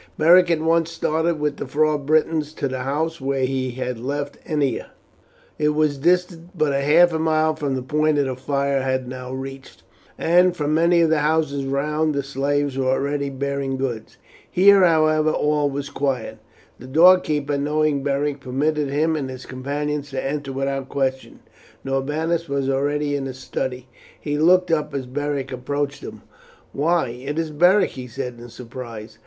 Beric at once started with the four Britons to the house where he had left Ennia. It was distant but half a mile from the point the fire had now reached, and from many of the houses round the slaves were already bearing goods. Here, however, all was quiet. The door keeper, knowing Beric, permitted him and his companions to enter without question. Norbanus was already in his study. He looked up as Beric approached him. "Why, it is Beric!" he said in surprise.